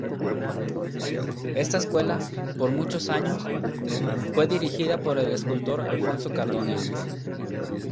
Esta escuela, por muchos años, fue dirigida por el escultor Alfonso Cardone.